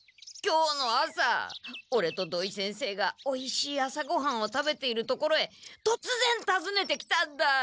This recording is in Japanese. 今日の朝オレと土井先生がおいしい朝ごはんを食べているところへとつぜんたずねてきたんだ！